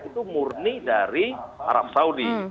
itu murni dari arab saudi